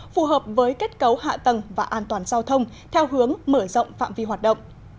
phù hợp với kết cấu hạ tầng và an toàn giao thông theo hướng mở rộng phạm vi hoạt động